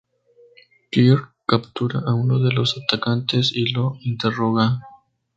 Kirk captura a uno de los atacantes y lo interroga.